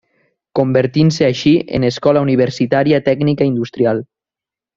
Convertint-se així en Escola Universitària Tècnica Industrial.